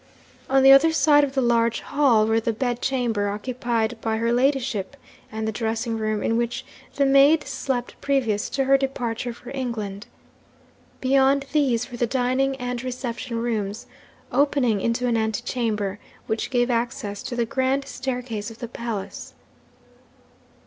On the other side of the large hall were the bedchamber occupied by her ladyship, and the dressing room in which the maid slept previous to her departure for England. Beyond these were the dining and reception rooms, opening into an antechamber, which gave access to the grand staircase of the palace.